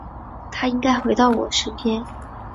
他应该回到我的身边